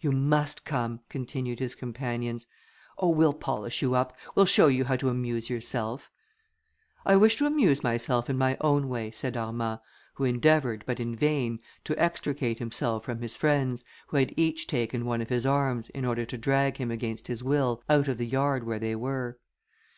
"You must come," continued his companions. "Oh, we'll polish you up; we'll show you how to amuse yourself." "I wish to amuse myself in my own way," said Armand, who endeavoured, but in vain, to extricate himself from his friends, who had each taken one of his arms, in order to drag him against his will out of the yard where they were.